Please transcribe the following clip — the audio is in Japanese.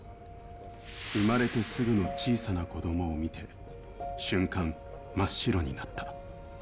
生まれてすぐの小さな子供を見て瞬間、真っ白になった。